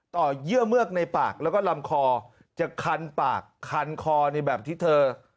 เยื่อเมือกในปากแล้วก็ลำคอจะคันปากคันคอในแบบที่เธอ